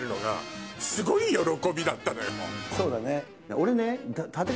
俺ね。